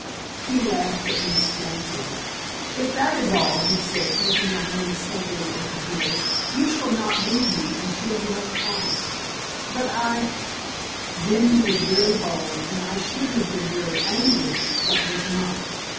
He laughed at me scornfully. "If that is all," he said, taking my hands suddenly into his, "you shall not leave me until you have promised." "But I " Then he was very bold, and I should have been very angry, but was not.